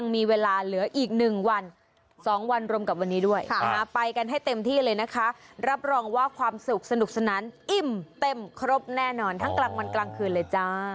มีเวลาเหลืออีก๑วัน๒วันรวมกับวันนี้ด้วยไปกันให้เต็มที่เลยนะคะรับรองว่าความสุขสนุกสนานอิ่มเต็มครบแน่นอนทั้งกลางวันกลางคืนเลยจ้า